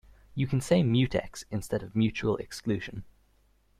You can say mutex instead of mutual exclusion.